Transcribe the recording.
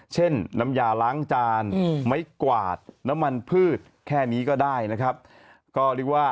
เช่นน้ำยาล้างจานไม้กวาดน้ำมันพืชแค่นี้ก็ได้นะครับก็เรียกว่า